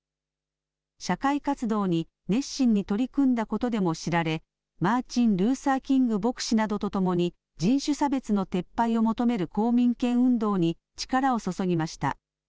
社会活動に熱心に取り組んだことでも知られマーチン・ルーサー・キング牧師などとともに人種差別の撤廃を求める公民権運動に力を注ぎました。